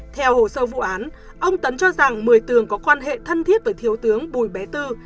theo hồ sơ vụ án ông tấn cho rằng một mươi tường có quan hệ thân thiết với thiếu tướng bùi bé tư